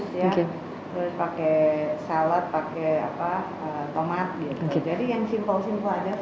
terus pakai salad pakai tomat jadi yang simpel simple aja